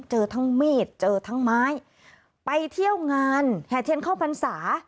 เจอทั้งมีดเจอทั้งไม้ไปเที่ยวงานแห่เทียนเข้าพรรษา